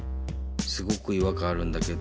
すごくいわかんあるんだけど。